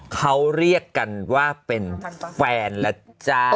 เขาเรียกกันว่าเป็นแฟนแล้วจ้า